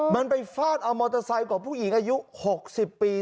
มันไปฟาดเอามอเตอร์ไซค์ของผู้หญิงอายุ๖๐ปี